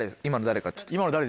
今の誰？